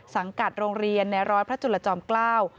สังกัดโรงเรียนในร้อยพระจุลจอมเกล้า